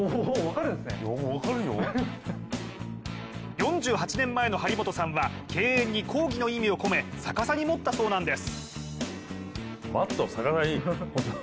４８年前の張本さんは敬遠に敬意の意味を込め逆さに持ったそうなんです。